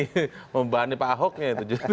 membebani pak ahoknya itu